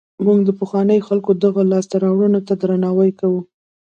موږ د پخوانیو خلکو دغو لاسته راوړنو ته درناوی کوو.